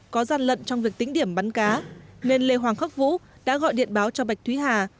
có gian lận trong việc tính điểm bắn cá nên lê hoàng khắc vũ đã gọi điện báo cho bạch thúy hà